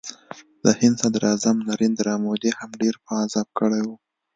د هند صدراعظم نریندرا مودي هم ډېر په عذاب کړی و